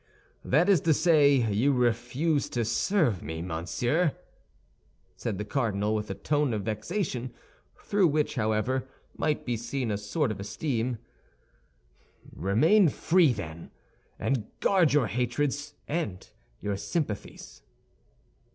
"That is to say, you refuse to serve me, monsieur," said the cardinal, with a tone of vexation, through which, however, might be seen a sort of esteem; "remain free, then, and guard your hatreds and your sympathies."